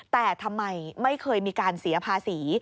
แต่ทำไมไม่เคยมีการเสียภาษี